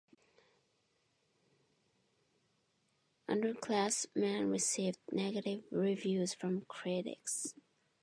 "Underclassman" received negative reviews from critics.